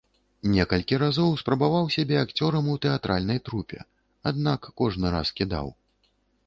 Некалькі разоў спрабаваў сябе акцёрам у тэатральнай трупе, аднак кожны раз кідаў.